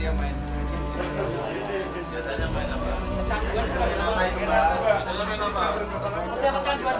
untuk yang terus